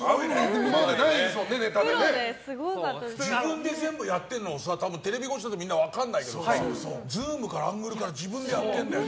自分で全部やってるのテレビ越しじゃみんな分からないけどズームからアングルから自分でやってるんだよね。